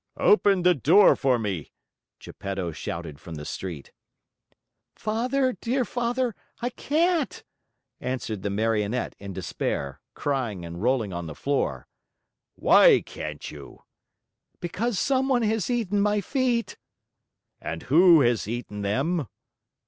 "Open the door for me!" Geppetto shouted from the street. "Father, dear Father, I can't," answered the Marionette in despair, crying and rolling on the floor. "Why can't you?" "Because someone has eaten my feet." "And who has eaten them?"